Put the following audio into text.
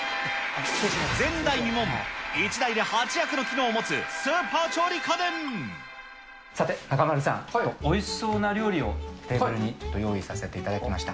前代未聞、１台で８役の機能さて、中丸さん、おいしそうな料理をテーブルに用意させていただきました。